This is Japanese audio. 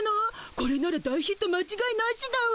これなら大ヒットまちがいなしだわ。